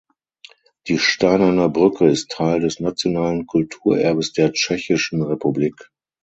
Die Steinerne Brücke ist Teil des nationalen Kulturerbes der Tschechischen Republik.